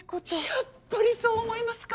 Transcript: やっぱりそう思いますか！？